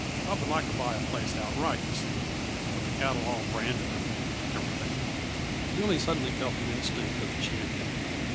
I would like to buy a place outright, you see, with the cattle all branded, and everything." Billy suddenly felt the instinct of the champion.